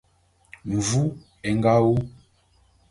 Mvu é nga wu.